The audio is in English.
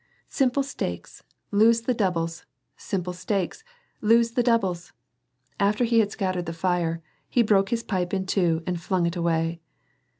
" Simple stakes, lose the doubles, simple stakes, lose tlie doubles." After he had scattered the fire, he broke his pipe in two and flung it away.